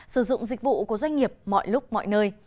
sử dụng dịch vụ của doanh nghiệp mọi lúc mọi nơi